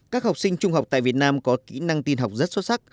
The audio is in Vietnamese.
các học sinh trung học tại việt nam có kỹ năng tin học rất xuất sắc